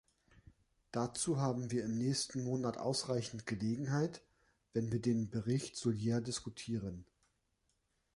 Dazu haben wir im nächsten Monat aureichend Gelegenheit, wenn wir den Bericht Soulier diskutieren.